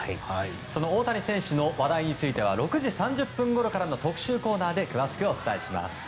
大谷選手の話題については６時３０分ごろからの特集コーナーで詳しくお伝えします。